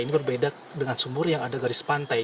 ini berbeda dengan sumur yang ada garis pantai